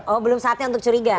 oh belum saatnya untuk curiga